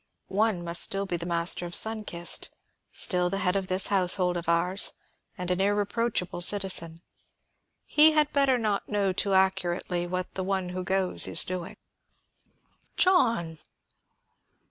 One must still be master of Sun Kist, still the head of this household of ours and an irreproachable citizen. He had better not know too accurately what the one who goes is doing." "John!"